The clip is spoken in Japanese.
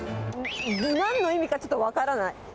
なんの意味かちょっと分からない。